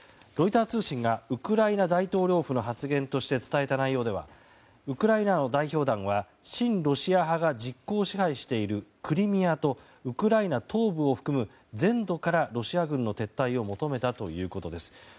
ロイター通信がウクライナ大統領府の発言として伝えた内容ではウクライナの代表団は親ロシア派が実効支配しているクリミアとウクライナ東部を含む全土からロシア軍の撤退を求めたということです。